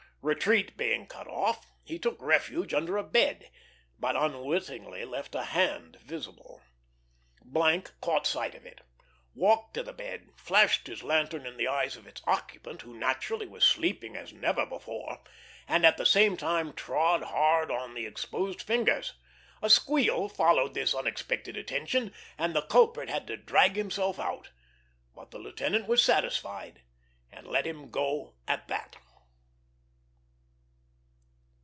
Retreat being cut off, he took refuge under a bed, but unwittingly left a hand visible. caught sight of it, walked to the bed, flashed his lantern in the eyes of its occupant, who naturally was sleeping as never before, and at the same time trod hard on the exposed fingers. A squeal followed this unexpected attention, and the culprit had to drag himself out; but the lieutenant was satisfied, and let him go at that.